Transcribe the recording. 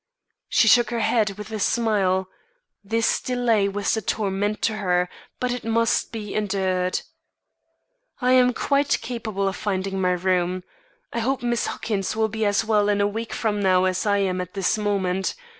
She shook her head, with a smile. This delay was a torment to her, but it must be endured. "I am quite capable of finding my room. I hope Miss Huckins will be as well in a week from now as I am at this moment.